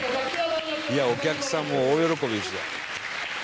「いやお客さんも大喜びでしたよ」